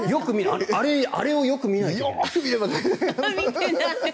あれをよく見ないといけない。